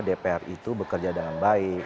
dpr itu bekerja dengan baik